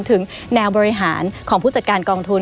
ถึงแนวบริหารของผู้จัดการกองทุน